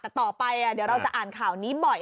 แต่ต่อไปเดี๋ยวเราจะอ่านข่าวนี้บ่อย